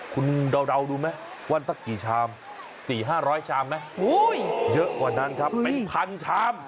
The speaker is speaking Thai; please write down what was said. คุณเดาดูมั้ยว่าตั้งกี่ชาม๔๕๐๐ชามมั้ยเยอะกว่านั้นครับเป็น๑๐๐๐ชาม